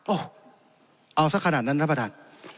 โอ้เอาสักขนาดนั้นนะประทาน